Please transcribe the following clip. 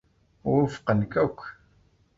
Wufqen-k akk.